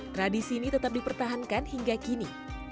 tradisi ini tetap dipertahankan hingga kini